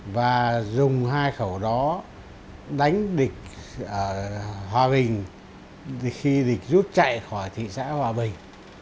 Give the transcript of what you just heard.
và dùng hai khẩu đó đánh địch hòa bình khi địch rút chạy khỏi thị xã hòa bình